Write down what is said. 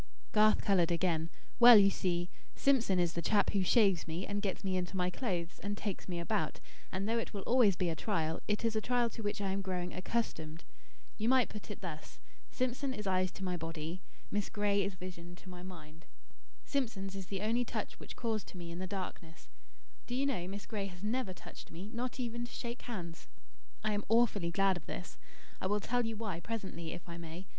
Garth coloured again. "Well, you see, Simpson is the chap who shaves me, and gets me into my clothes, and takes me about; and, though it will always be a trial, it is a trial to which I am growing accustomed. You might put it thus: Simpson is eyes to my body; Miss Gray is vision to my mind. Simpson's is the only touch which cores to me in the darkness. Do you know, Miss Gray has never touched me, not even to shake hands. I am awfully glad of this. I will tell you why presently, if I may.